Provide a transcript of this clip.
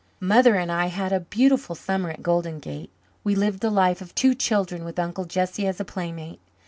Mother and I had a beautiful summer at Golden Gate. We lived the life of two children with Uncle Jesse as a playmate.